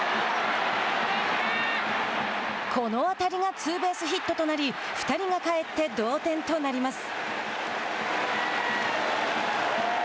この当たりがツーベースヒットとなり２人が帰って同点となります。